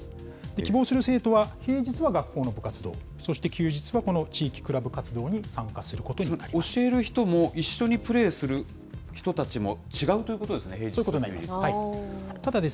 希望する生徒は、平日は学校の部活動、そして休日は、この地域クラブ活動に参加することになりまそれ、教える人も、一緒にプレーする人たちも違うということですね、そういうことになります。